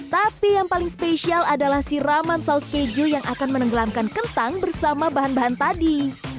tapi yang paling spesial adalah siraman saus keju yang akan menenggelamkan kentang bersama bahan bahan tadi